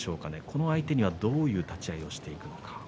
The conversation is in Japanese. この相手にはどういう立ち合いをしていくか。